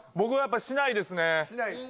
しないですか？